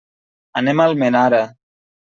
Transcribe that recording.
Anem a Almenara.